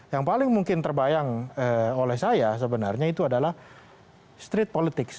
yang paling mungkin terbayang oleh saya sebenarnya itu adalah street politics